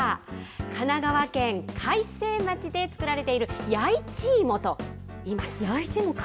神奈川県開成町で作られている弥一芋といいます。